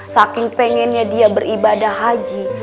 saking pengennya dia beribadah haji